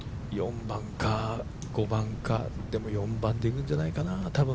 ４番か、５番か、でも４番でいくんじゃないかな、多分。